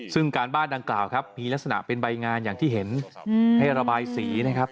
ซึ่งการบ้านดังกล่าวครับมีลักษณะเป็นใบงานอย่างที่เห็นให้ระบายสีนะครับ